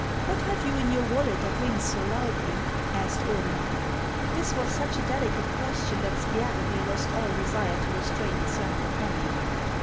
" What have you in your wallet that rings so loudly ?" asked Ordener. This was such a delicate question that Spiagudry lost all desire to restrain his young companion.